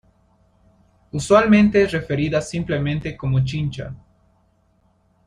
Usualmente es referida simplemente como Chincha.